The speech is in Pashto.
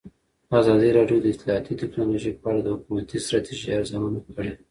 ازادي راډیو د اطلاعاتی تکنالوژي په اړه د حکومتي ستراتیژۍ ارزونه کړې.